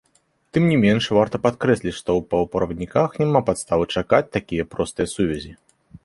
Тым не менш, варта падкрэсліць, што ў паўправадніках няма падставы чакаць такія простыя сувязі.